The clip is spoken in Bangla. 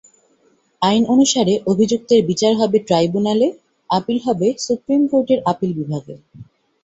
আইন অনুসারে অভিযুক্তের বিচার হবে ট্রাইব্যুনালে, আপিল হবে সুপ্রিম কোর্টের আপিল বিভাগে।